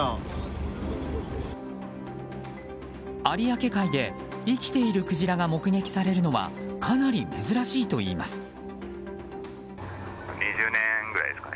有明海で、生きているクジラが目撃されるのはかなり珍しいといいます。